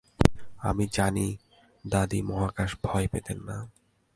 আমি জানি, দাদী মহাকাশ ভয় পেতেন না।